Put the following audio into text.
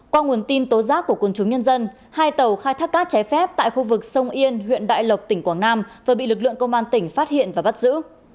qua nguồn tin tố giác của quân chúng nhân dân hai tàu khai thác cát trái phép tại khu vực sông yên huyện đại lộc tỉnh quảng nam vừa bị lực lượng công an tỉnh phát hiện và bắt giữ